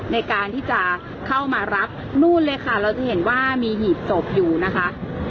ในการที่จะเข้ามารับนู่นเลยค่ะเราจะเห็นว่ามีหีบศพอยู่นะคะ